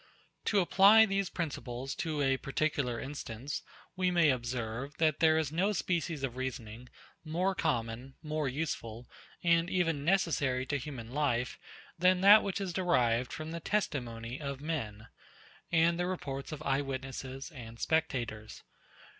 88. To apply these principles to a particular instance; we may observe, that there is no species of reasoning more common, more useful, and even necessary to human life, than that which is derived from the testimony of men, and the reports of eye witnesses and spectators.